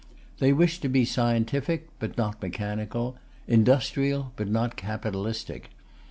They wish to be scientific but not mechanical, industrial but not capitalistic.